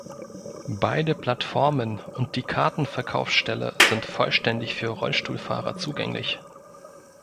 Beide Plattformen und die Kartenverkaufsstelle sind vollständig für Rollstuhlfahrer zugänglich.